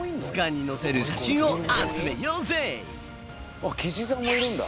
あっキジさんもいるんだ。